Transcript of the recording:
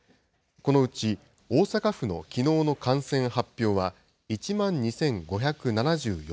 このうち、大阪府のきのうの感染発表は１万２５７４人。